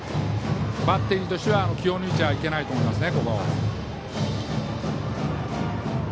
バッテリーとしては気を抜いたらいけないですね。